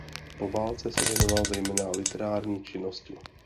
Po válce se věnoval zejména literární činnosti.